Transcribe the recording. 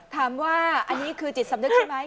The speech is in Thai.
ถามว่าอันนี้คือจิตสำนึกใช่ไหม